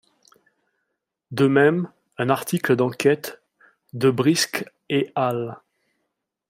De même, un article d'enquête de Briske et al.